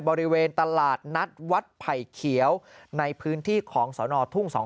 บริเวณตลาดนัดวัดไผ่เขียวในพื้นที่ของสนทุ่ง๒